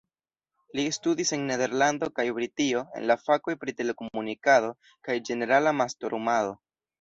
Li studis en Nederlando kaj Britio en la fakoj pri telekomunikado kaj ĝenerala mastrumado.